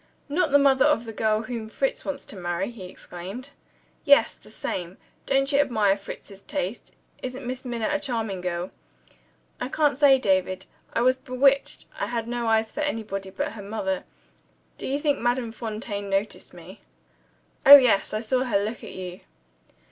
"Not the mother of the girl whom Fritz wants to marry?" he exclaimed. "Yes, the same. Don't you admire Fritz's taste? Isn't Miss Minna a charming girl?" "I can't say, David. I was bewitched I had no eyes for anybody but her mother. Do you think Madame Fontaine noticed me?" "Oh, yes. I saw her look at you."